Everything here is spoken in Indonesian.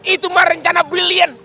itu mah rencana brilian